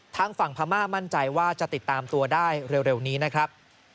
ทางฝั่งพม่ามั่นใจว่าจะติดตามตัวได้เร็วนี้นะครับ